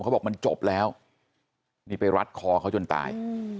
เขาบอกมันจบแล้วนี่ไปรัดคอเขาจนตาย